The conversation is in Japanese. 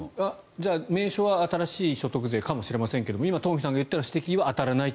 じゃあ年初は新しい所得税かもしれませんが今、トンフィさんが言ったような指摘には当たらないと。